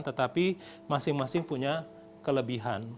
tetapi masing masing punya kelebihan